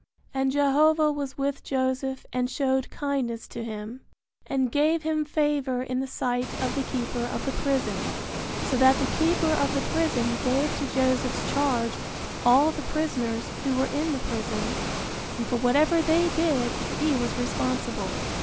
And Jehovah was with Joseph and showed kindness to him, and gave him favor in the sight of the keeper of the prison, so that the keeper of the prison gave to Joseph's charge all the prisoners who were in the prison, and for whatever they did he was responsible.